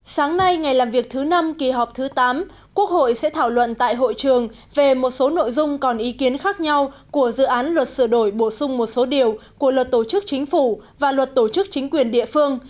sáng nay ngày làm việc thứ năm kỳ họp thứ tám quốc hội sẽ thảo luận tại hội trường về một số nội dung còn ý kiến khác nhau của dự án luật sửa đổi bổ sung một số điều của luật tổ chức chính phủ và luật tổ chức chính quyền địa phương